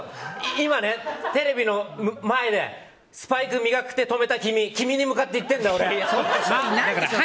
今、テレビの前でスパイク磨く手止めた君君に向かって言ってんだ、俺は。